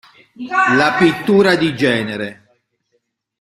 La pittura di genere.